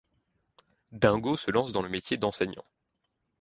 Dingo se lance dans le métier d'enseignant.